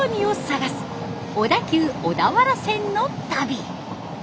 小田急小田原線の旅。